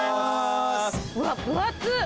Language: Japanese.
うわ分厚っ！